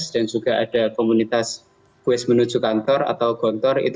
dan juga ada komunitas kues menuju kantor atau gontor